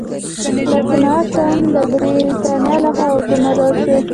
مکناټن د برتانیا له خوا وګمارل شو.